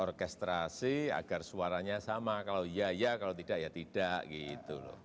orkestrasi agar suaranya sama kalau iya ya kalau tidak ya tidak gitu loh